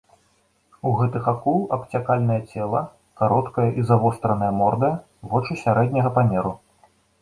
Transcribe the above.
У гэтых акул абцякальнае цела, кароткая і завостраная морда, вочы сярэдняга памеру.